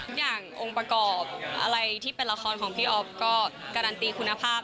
องค์ประกอบอะไรที่เป็นละครของพี่อ๊อฟก็การันตีคุณภาพ